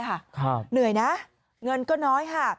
เหนื่อยนะเงินก็น้อยค่ะ